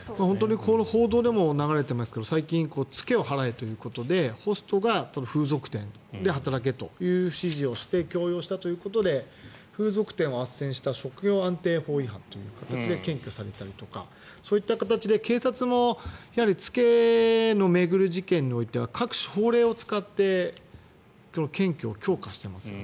報道でも流れていますが最近、付けを払えということでホストが風俗店で働けという指示をして強要したということで風俗店をあっせんした職業安定法違反という形で検挙されたりとかそういった形で警察も付けを巡る事件については各種、法令を使って検挙を強化しています。